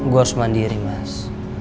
gue harus mandiri mas